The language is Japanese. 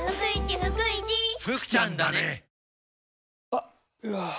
あっ、うわー。